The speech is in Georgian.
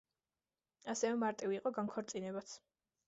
ასევე მარტივი იყო განქორწინებაც.